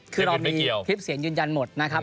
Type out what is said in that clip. คือเรามีคลิปเสียงยืนยันหมดนะครับ